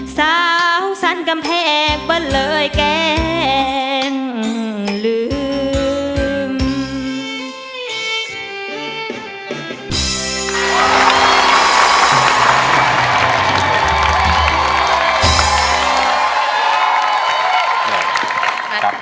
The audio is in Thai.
สาวสั้นกำแพงเปิ้ลเลยแกล้งลืม